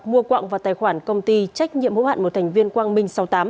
mua quạng vào tài khoản công ty trách nhiệm hữu hạn một thành viên quang minh sáu mươi tám